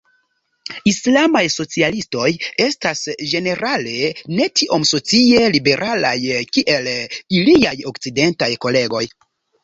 Islamaj socialistoj estas ĝenerale ne tiom socie liberalaj kiel iliaj okcidentaj kolegoj.